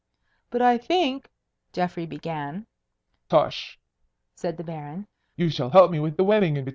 "But I think " Geoffrey began. "Tush!" said the Baron. "You shall help me with the wedding invitations."